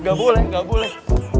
gak boleh gak boleh